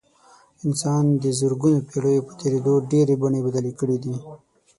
انسان د زرګونو پېړیو په تېرېدو ډېرې بڼې بدلې کړې دي.